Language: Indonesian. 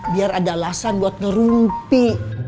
biar ada alasan buat ngerumpi